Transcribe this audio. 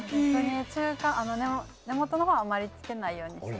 根元のほうはあまりつけないようにして。